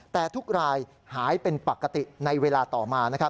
แต่ทุกรายหายเป็นปกติในเวลาต่อมา